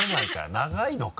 長いのか。